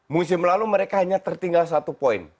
musim lalu mereka hanya tertinggal satu poin